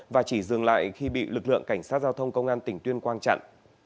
và chỉ dừng lại khi bị lực lượng cảnh sát giao thông công an tỉnh tuyên quang chặn